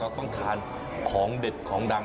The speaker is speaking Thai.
ต้องทานของเด็ดของดัง